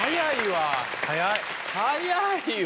早いわ。